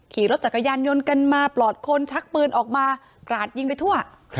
ขี่รถจักรยานยนต์กันมาปลอดคนชักปืนออกมากราดยิงไปทั่ว